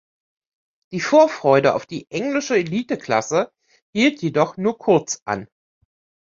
Die Vorfreude auf die englische Eliteklasse hielt jedoch nur kurz an.